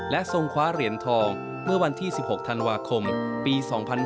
และทรงคว้าเหรียญทองเมื่อวันที่๑๖ธันวาคมปี๒๕๕๙